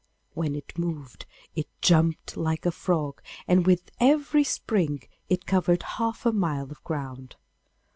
When it moved it jumped like a frog, and with every spring it covered half a mile of ground.